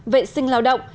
vệ sinh lao động